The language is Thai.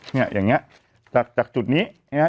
เนี่ยอย่างนี้